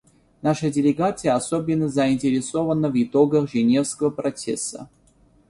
Наша делегация особенно заинтересована в итогах Женевского процесса.